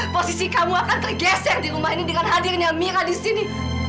posisi kamu akan tergeser di rumah ini dengan hadirnya mira di sini